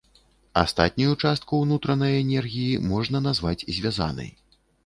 Астатнюю частку ўнутранай энергіі можна назваць звязанай.